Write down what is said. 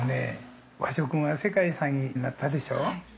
◆和食が世界遺産になったでしょ。